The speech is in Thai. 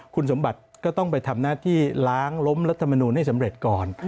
คุณสมบัติก็ต้องไปทำหน้าที่ล้างล้มรัฐมนูลให้สำเร็จก่อน